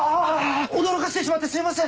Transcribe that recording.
驚かせてしまってすいません！